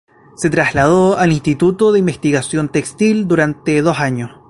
Se trasladó al instituto de investigación textil durante dos años.